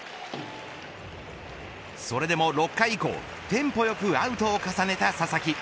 それでも６回以降テンポよくアウトを重ねた佐々木。